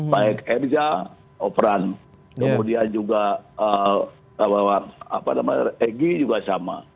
baik emza operan kemudian juga apa namanya egy juga sama